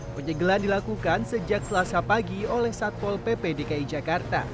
penyegelan dilakukan sejak selasa pagi oleh satpol ppb